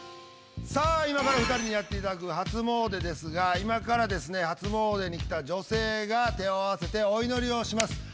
さあ今から２人にやっていただく初詣ですが今からですね初詣に来た女性が手を合わせてお祈りをします。